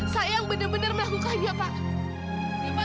saya yang benar benar melakukannya pak